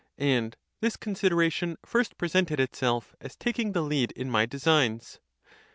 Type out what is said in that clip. And this consideration first presented itself as taking the lead in my designs.